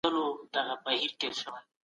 مغول نه غواړي چي خپل پخواني کارونه تکرار کړي.